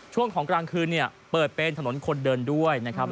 ช่วงของกลางคืนเนี่ยเปิดเป็นถนนคนเดินด้วยนะครับ